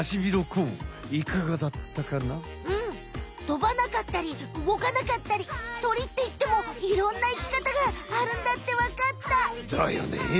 とばなかったり動かなかったり鳥っていってもいろんないきかたがあるんだってわかった。だよね。